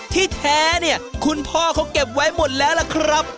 แท้เนี่ยคุณพ่อเขาเก็บไว้หมดแล้วล่ะครับ